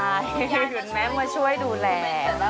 คุณแม่มาช่วยดูแล